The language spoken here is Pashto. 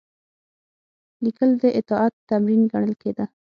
لیکل د اطاعت تمرین ګڼل کېده.